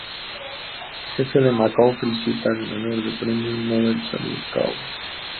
Jefe de Macao felicita a ganador de Premio Nobel Charles Kao